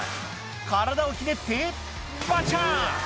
体をひねってバチャン！